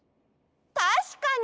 たしかに！